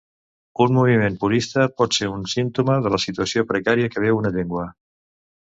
Un moviment purista pot ser un símptoma de la situació precària que viu una llengua.